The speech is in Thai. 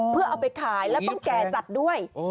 เพื่อเอาไปขายแล้วต้องแก่จัดด้วย